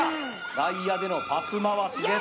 外野でのパス回しです